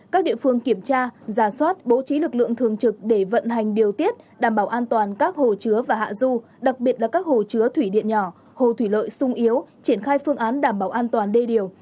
các địa phương kiểm tra giả soát bố trí lực lượng thường trực để vận hành điều tiết đảm bảo an toàn các hồ chứa và hạ du đặc biệt là các hồ chứa thủy điện nhỏ hồ thủy lợi sung yếu triển khai phương án đảm bảo an toàn đê điều